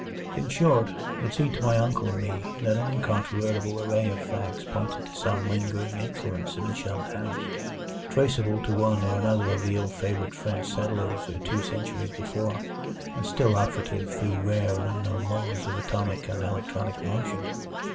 In short, it seemed to my uncle and me that an incontrovertible array of facts pointed to some lingering influence in the shunned house; traceable to one or another of the ill favored French settlers of two centuries before, and still operative through rare and unknown laws of atomic and electronic motion.